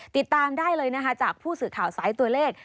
ติดตามได้เลยนะคะจากผู้สื่อข่าวสายตัวเลข